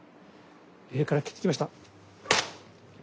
上から斬ってきました。